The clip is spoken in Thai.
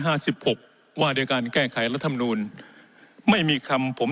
ห้าสิบหกว่าเดี๋ยวการแก้ไขและทำนูนไม่มีคำผม